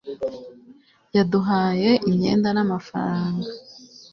yaduhaye imyenda, n'amafaranga